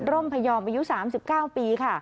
ร่มพยอมอายุ๓๙ปีค่ะ